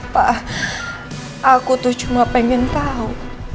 pak aku tuh cuma pengen tahu